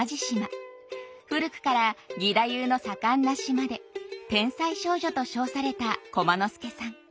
古くから義太夫の盛んな島で天才少女と称された駒之助さん。